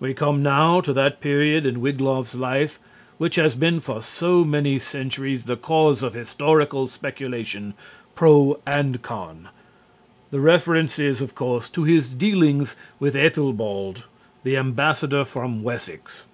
We come now to that period in Wiglaf's life which has been for so many centuries the cause of historical speculation, pro and con. The reference is, of course, to his dealings with Aethelbald, the ambassador from Wessex.